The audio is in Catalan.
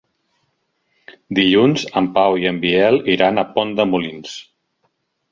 Dilluns en Pau i en Biel iran a Pont de Molins.